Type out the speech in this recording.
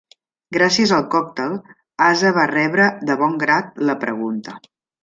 Gràcies al còctel, Asa va rebre de bon grat la pregunta.